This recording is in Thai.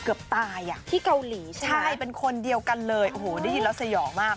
เกือบตายอ่ะที่เกาหลีใช่ไหมใช่เป็นคนเดียวกันเลยโอ้โหได้ยินแล้วสยองมาก